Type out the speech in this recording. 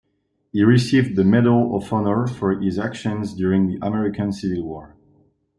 He received the Medal of Honor for his actions during the American Civil War.